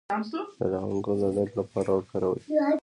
د لونګ ګل د درد لپاره وکاروئ